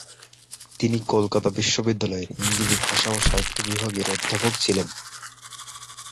তিনি কলকাতা বিশ্ববিদ্যালয়ের ইংরেজি ভাষা ও সাহিত্য বিভাগের অধ্যাপক ছিলেন।